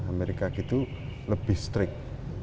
amerika itu lebih strict